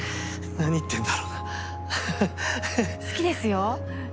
何言ってんだろはははっ好きですよ。